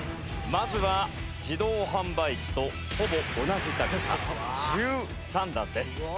まずは自動販売機とほぼ同じ高さ１３段です。